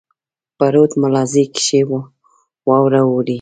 په رود ملازۍ کښي واوره اوري.